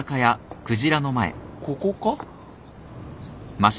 ここか？